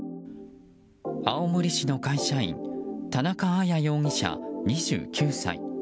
青森市の会社員田中綾容疑者、２９歳。